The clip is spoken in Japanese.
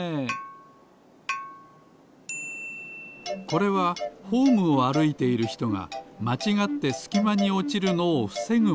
これはホームをあるいているひとがまちがってすきまにおちるのをふせぐもの。